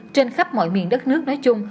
trên khắp mọi miền đất nước nói chung